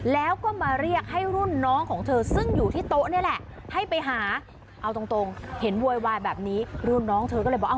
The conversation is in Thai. แล้วก็มาเรียกให้รุ่นน้องของเธอซึ่งอยู่ที่โต๊ะนี่แหละ